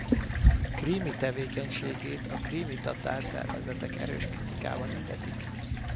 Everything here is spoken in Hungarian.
Krími tevékenységét a krími tatár szervezetek erős kritikával illetik.